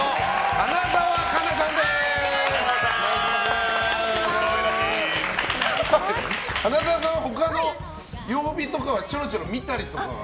花澤さんは、他の曜日とかはチョロチョロ見たりとかは？